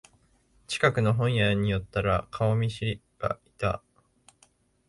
近くの本屋に寄ったら顔見知りがいた